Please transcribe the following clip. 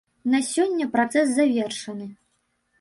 На сёння працэс завершаны.